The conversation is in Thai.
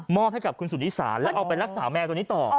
ให้กับคุณสุนิสาแล้วเอาไปรักษาแมวตัวนี้ต่อ